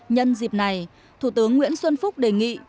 nhân dịp này thủ tướng nguyễn xuân phúc đề nghị